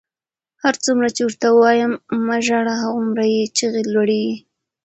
هرڅومره چې ورته وایم مه ژاړه، هغومره یې چیغې لوړېږي.